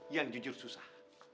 yang jujur susah